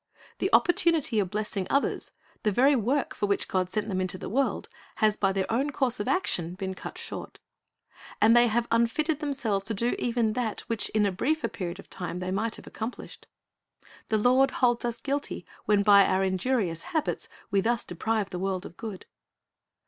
The opportunity of blessing others, the very work for which God sent them into the world, has by their own course of action been cut short. And they have unfitted themselves to do even that I Kom. 12 : II ; Eccl. 9 : 10; Col. 3: 2.^ Ta I c nt s 347 which ill a briefer period of time they might ha\'e accom pHshed. The Lord holds us guilty when b} our injurious habits we thus deprive the world of good.